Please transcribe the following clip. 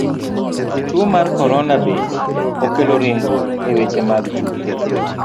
Tuo mar korona bende, okelo ringruok e weche mag tuke.